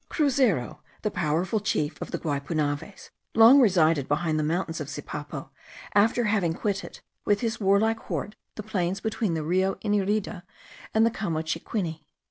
Cruzero, the powerful chief of the Guaypunaves, long resided behind the mountains of Sipapo, after having quitted with his warlike horde the plains between the Rio Inirida and the Chamochiquini.